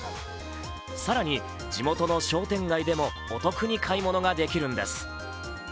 更に地元の商店街でもお得に買い物ができるんです。